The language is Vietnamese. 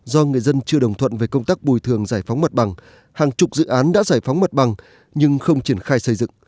do người dân chưa đồng thuận về công tác bồi thường giải phóng mặt bằng hàng chục dự án đã giải phóng mặt bằng nhưng không triển khai xây dựng